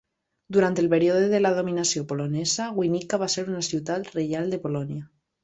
Durant el període de la dominació polonesa, Winnica va ser una ciutat reial de Polònia.